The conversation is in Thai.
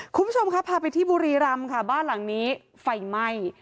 คุณผู้ชมครับพาไปที่บุรีรำค่ะบ้านหลังนี้ไฟไหม้